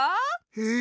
へえ。